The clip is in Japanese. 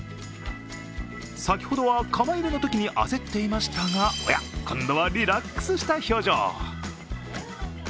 先ほどは窯入れのときに焦っていましたが、おや、今度はリラックスした表情。